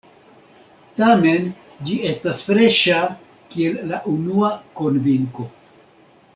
Tamen ĝi estas freŝa kiel la unua konvinko.